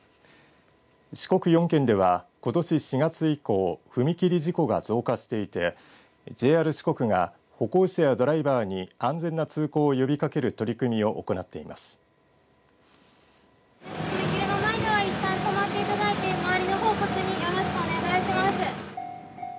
四国４県では、ことし４月以降踏切事故が増加していてＪＲ四国が歩行者やドライバーに安全な通行を呼びかける取り組みを行っています。